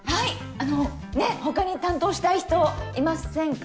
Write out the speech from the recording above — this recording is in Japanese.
あのねっ他に担当したい人いませんか？